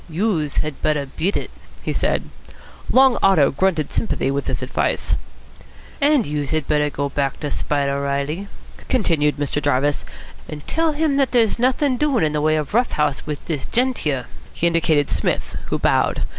"Youse had better beat it," he said. Long Otto grunted sympathy with this advice. "And youse had better go back to Spider Reilly," continued Mr. Jarvis, "and tell him that there's nothin' doin' in the way of rough house wit dis gent here." He indicated Psmith, who bowed.